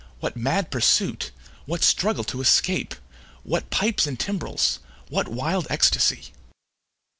What mad pursuit? What struggle to escape? What pipes and timbrels? What wild ecstasy?